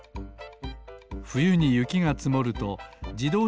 ふゆにゆきがつもるとじどうしゃがはしる